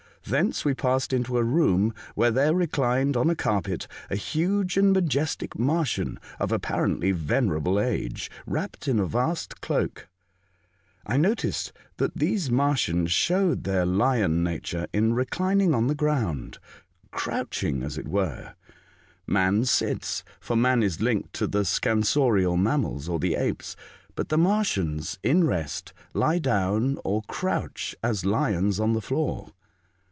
Thence we passed into a room where there reclined on a carpet a huge and majestic Martian of apparently venerable age, wrapt in a^vast cloak. I noticed that these Martians showed their lion nature in reclining on the ground — crouching, as it were. Man I The OcecCn Capital. 131 sits, for man is linked to the scansorial mam mals, or the apes ; but the Martians, in rest, lie down, or crouch as lions on the floor.